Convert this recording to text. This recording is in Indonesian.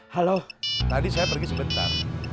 halo tadi saya pergi sebentar